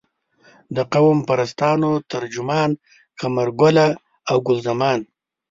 د قوم پرستانو ترجمان قمرګله او ګل زمان.